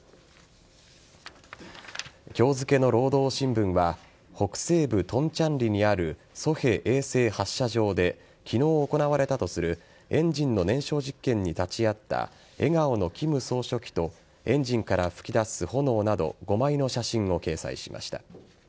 今日付の労働新聞は北西部・トンチャンリにあるソヘ衛星発射場で昨日行われたとするエンジンの燃焼実験に立ち会った笑顔の金総書記とエンジンから噴き出す炎など５枚の写真を掲載しました。